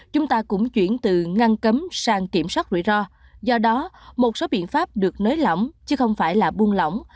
chúng ta cũng chuyển từ ngăn cấm sang kiểm soát rủi ro do đó một số biện pháp được nới lỏng chứ không phải là buông lỏng